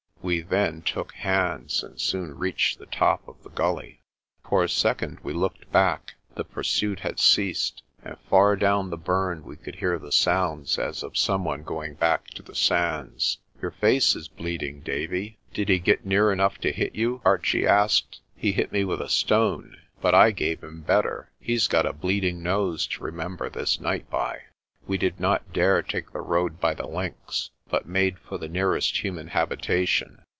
We then took hands and soon reached the top of the gully. For a second we looked back. The pursuit had ceased, and far down the burn we could hear the sounds as of some one going back to the sands. "Your face is bleeding, Davie. Did he get near enough to hit you?" Archie asked. "He hit me with a stone. But I gave him better. He's got a bleeding nose to remember this night by." We did not dare take the road by the links, but made for the nearest human habitation.